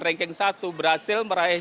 ranking satu berhasil meraih